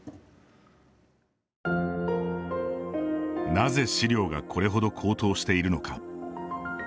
なぜ、飼料がこれほど高騰しているのか。